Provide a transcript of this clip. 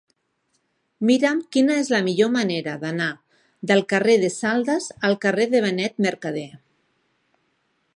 Mira'm quina és la millor manera d'anar del carrer de Saldes al carrer de Benet Mercadé.